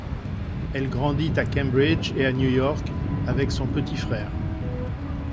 Elle grandit à Cambridge et à New York avec son petit-frère.